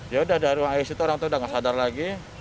ya udah dari ruang isu itu orang itu udah gak sadar lagi